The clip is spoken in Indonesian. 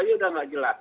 sudah tidak jelas